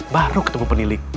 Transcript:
baru ketemu penilik